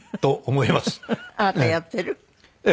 あなたはやってる？ええ。